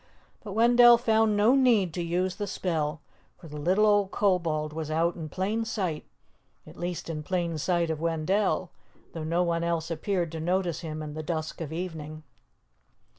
But Wendell found no need to use the spell, for the little old Kobold was out in plain sight, at least in plain sight of Wendell, though no one else appeared to notice him in the dusk of evening.